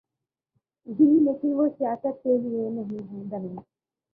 گی لیکن وہ سیاست کے لئے نہیں بنے۔